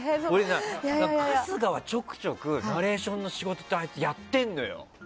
春日はちょくちょくナレーションの仕事をあいつやってんのよ。